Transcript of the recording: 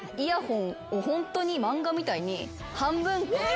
ホントに漫画みたいに。